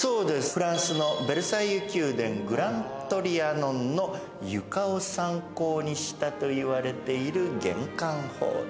フランスのヴェルサイユ宮殿グラン・トリアノンの床を参考にしたといわれている玄関ホール。